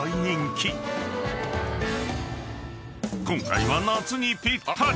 ［今回は夏にぴったり！